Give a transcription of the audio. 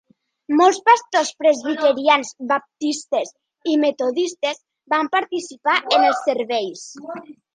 Molts pastors presbiterians, baptistes i metodistes van participar en els serveis.